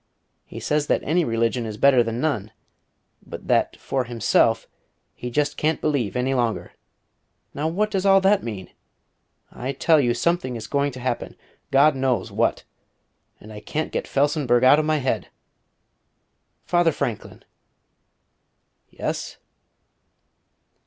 He says that any religion is better than none, but that, for himself, he just can't believe any longer. Now what does all that mean?... I tell you something is going to happen. God knows what! And I can't get Felsenburgh out of my head.... Father Franklin " "Yes?"